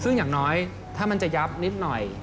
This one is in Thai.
ซึ่งอย่างน้อยถ้ามันจะยับนิดหน่อย